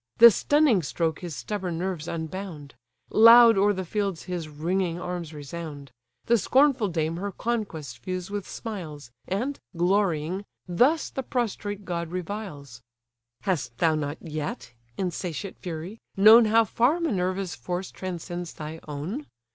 The stunning stroke his stubborn nerves unbound: Loud o'er the fields his ringing arms resound: The scornful dame her conquest views with smiles, And, glorying, thus the prostrate god reviles: "Hast thou not yet, insatiate fury! known How far Minerva's force transcends thy own?